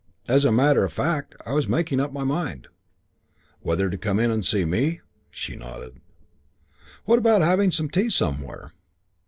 As a matter of fact, I was making up my mind " "Whether to come in and see me?" She nodded. "What about having some tea somewhere?"